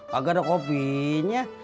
kagak ada kopinya